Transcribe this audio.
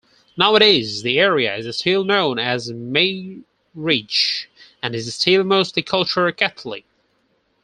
Nowadays the area is still known as Meierij and is still mostly cultural Catholic.